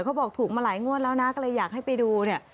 เขาบอกถูกมาหลายงวดแล้วนะก็เลยอยากให้ไปดูเนี่ย